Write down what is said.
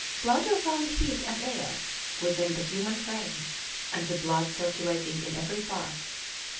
Plato found heat and air within the human frame, and the blood circulating in every part.